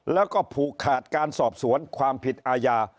แล้วก็ผูกขาดการสอบสวนความผิดอาญา